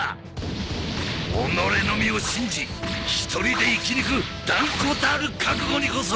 己のみを信じ一人で生き抜く断固たる覚悟にこそ。